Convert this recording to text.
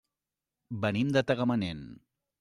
Venim de Tagamanent.